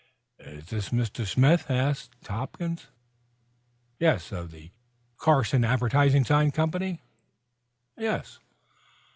"Is this Mr. Smith?" asked Hopkins. "Yes." "Of the Carson Advertising Sign Company?" "Yes."